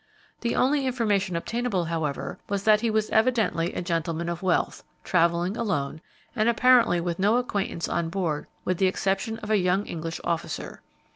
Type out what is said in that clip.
The only information obtainable, however, was that he was evidently a gentleman of wealth, travelling alone, and apparently with no acquaintance on board with the exception of a young English officer.